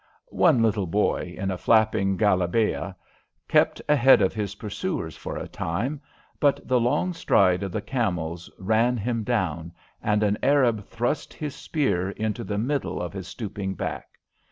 One little boy, in a flapping Galabeeah, kept ahead of his pursuers for a time, but the long stride of the camels ran him down, and an Arab thrust his spear into the middle of his stooping back.